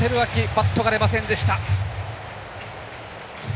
バットが出ませんでした。